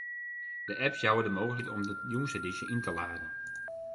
De apps jouwe de mooglikheid om de jûnsedysje yn te laden.